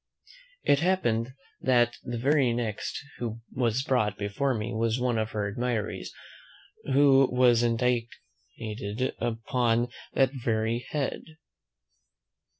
It happened that the very next who was brought before me was one of her admirers, who was indicted upon that very head.